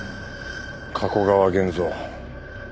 加古川源蔵。